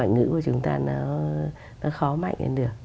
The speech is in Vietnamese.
cái ngoại ngữ của chúng ta nó khó mạnh đến được